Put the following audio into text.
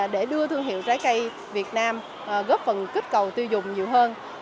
để đưa thương hiệu trái cây việt nam góp phần kích cầu tiêu dùng nhiều hơn